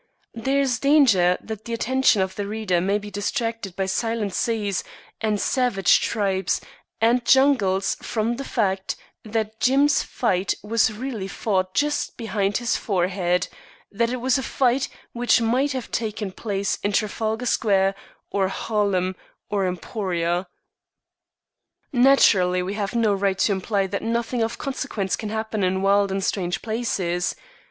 There is danger that the attention of the reader may be distracted by silent seas and savage tribes and jungles from the fact that Jim's fight was really fought just behind his forehead; that it was a fight which might have taken place in Trafalgar Square or Harlem or Emporia. Naturally, we have no right to imply that nothing of consequence can happen in wild and strange places.